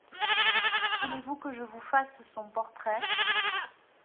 Voulez-vous que je vous fasse son portrait ?